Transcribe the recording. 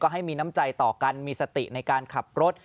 ให้มีน้ำใจต่อกันมีสติในการขับรถ